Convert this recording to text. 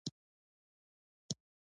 خدای تعالی احمد ته ښه پرېمانه دنیا ورکړې ده.